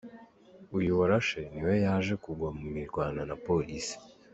Uyu warashe nawe yaje kugwa mu mirwano na Polisi.